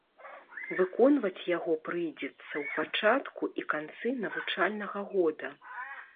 Выконваць яго прыйдзецца ў пачатку і канцы навучальнага года.